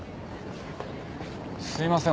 すいません。